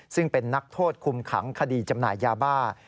ซึ่งเป็นนักโทษคุมขังคดีจำหน่ายยาบ้า